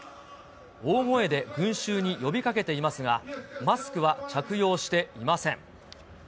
大声で群衆に呼びかけていますが、マスクは着用していません。